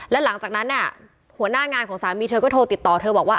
แล้วหลังจากนั้นหัวหน้างานของสามีเธอก็โทรติดต่อเธอบอกว่า